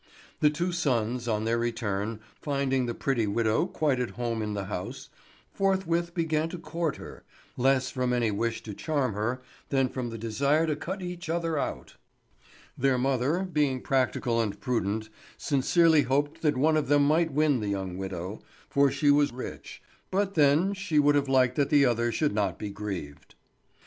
The two sons on their return, finding the pretty widow quite at home in the house, forthwith began to court her, less from any wish to charm her than from the desire to cut each other out. Their mother, being practical and prudent, sincerely hoped that one of them might win the young widow, for she was rich; but then she would have liked that the other should not be grieved.